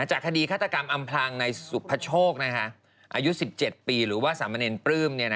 จากคดีฆาตกรรมอำพลางในสุพโชคอายุ๑๗ปีหรือว่าสามเณรปลื้ม